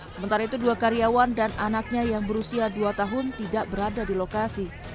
sementara itu dua karyawan dan anaknya yang berusia dua tahun tidak berada di lokasi